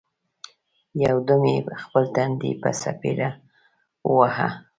یو دم یې خپل تندی په څپېړه وواهه!